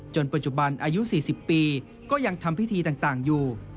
ปัจจุบันอายุ๔๐ปีก็ยังทำพิธีต่างอยู่